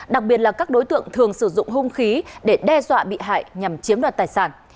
đặc biệt là các đối tượng thường sử dụng hung khí để đe dọa bị hại nhằm chiếm đoạt tài sản